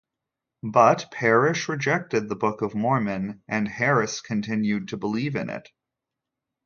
But Parrish rejected the Book of Mormon, and Harris continued to believe in it.